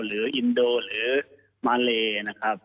อินโดหรือมาเลนะครับ